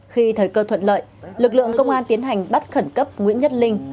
khi thời cơ thuận lợi lực lượng công an tiến hành bắt khẩn cấp nguyễn nhất linh